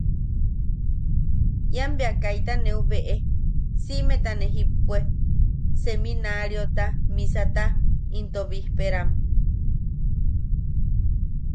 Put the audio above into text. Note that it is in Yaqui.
Ian bea kaita neu beʼe, siʼimeta ne jippue, seminaariota, misata into bijperam.